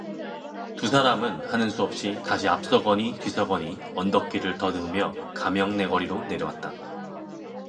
두 사람은 하는 수 없이 다시 앞서거니 뒤서거니 언덕길을 더듬으며 감영 네거리로 내려왔다.